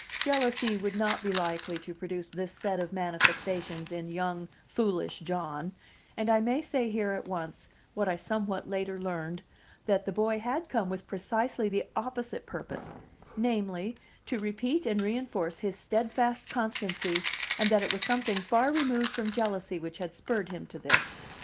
Jealousy would not be likely to produce this set of manifestations in young, foolish John; and I may say here at once, what I somewhat later learned, that the boy had come with precisely the opposite purpose, namely, to repeat and reenforce his steadfast constancy, and that it was something far removed from jealousy which had spurred him to this.